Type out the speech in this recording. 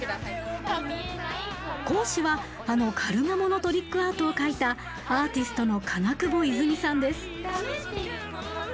講師はあのカルガモのトリックアートを描いたアーティストの金久保いづみさんです。